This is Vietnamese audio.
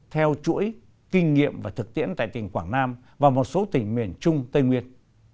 theo chuỗi kinh nghiệm và thực tiễn tại tỉnh quảng nam và một số tỉnh miền trung tây nguyên